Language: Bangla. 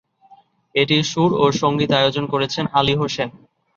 এটির সুর ও সঙ্গীতায়োজন করেছেন আলী হোসেন।